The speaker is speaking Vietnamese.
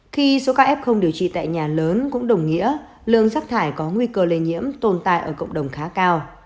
khi số các f không điều trị tại nhà lớn cũng đồng nghĩa lương rắc thải có nguy cơ lây nhiễm tồn tại ở cộng đồng khá cao